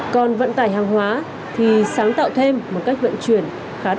còn vận tải hàng hóa thì sáng tạo thêm một cách vận chuyển khá độc đáo